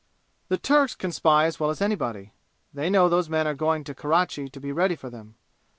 "The Turks can spy as well as anybody. They know those men are going to Kerachi to be ready for them.